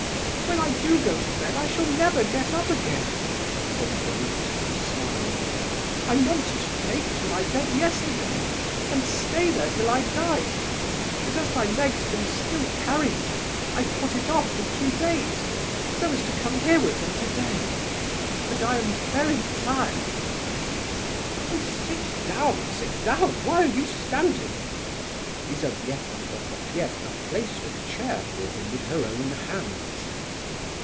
"When I do go to bed I shall never get up again," said Hippolyte, with a smile. "I meant to take to my bed yesterday and stay there till I died, but as my legs can still carry me, I put it off for two days, so as to come here with them to day—but I am very tired." "Oh, sit down, sit down, why are you standing?" Lizabetha Prokofievna placed a chair for him with her own hands.